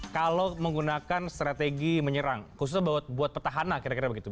kalau menggunakan strategi menyerang khususnya buat petahana kira kira begitu